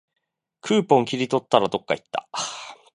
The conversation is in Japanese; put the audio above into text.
クーポン切り取ったら、どっかいった